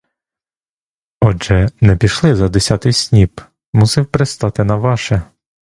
Отже, не пішли за десятий сніп, мусив пристати на ваше.